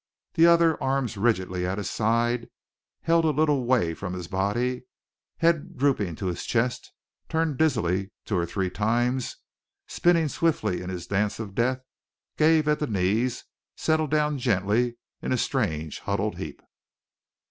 The other, arms rigidly at his sides, held a little way from his body, head drooping to his chest, turned dizzily two or three times, spinning swiftly in his dance of death, gave at the knees, settled down gently in a strange, huddled heap.